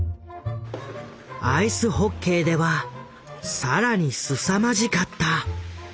アイスホッケーでは更にすさまじかった。